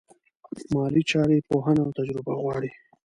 مالي چارې پوهنه او تجربه غواړي.